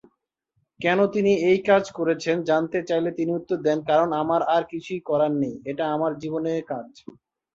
কেন তিনি এই কাজ করছেন জানতে চাইলে তিনি উত্তর দেন, "কারণ আমার আর কিছুই করার নেই; এটা আমার জীবনে কাজ।"